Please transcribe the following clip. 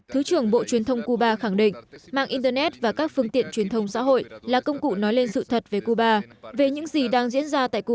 thứ trưởng bộ truyền thông cuba khẳng định mạng internet và các phương tiện truyền thông xã hội là công cụ nói lên sự thật về cuba về những gì đang diễn ra tại cuba